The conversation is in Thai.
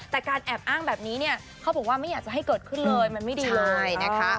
แต่การแอบอ้างแบบนี้เนี่ยเขาบอกว่าไม่อยากจะให้เกิดขึ้นเลยมันไม่ดีเลยนะคะ